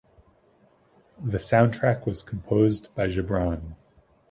The soundtrack was composed by Ghibran.